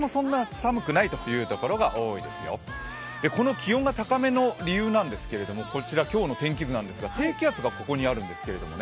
気温が高めの理由なんですけれども、こちら今日の天気図なんですが、低気圧がここにあるんですけれどもね